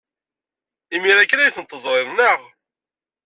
Imir-a kan ay ten-teẓrid, naɣ?